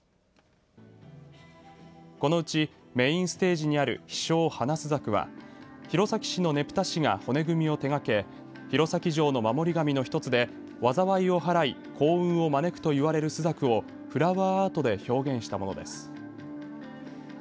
このうちメインステージにある飛翔花朱雀は弘前市のねぷた師が骨組みを手がけ弘前城の守り神の一つで災いをはらい幸運を招くといわれる朱雀をフラワーアートで表現したものです。